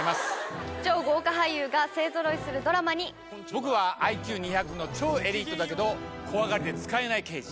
僕はＩＱ２００の超エリートだけど怖がりで使えない刑事。